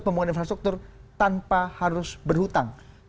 pembangunan infrastruktur tanpa harus berhutang